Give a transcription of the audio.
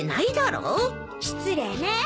失礼ね。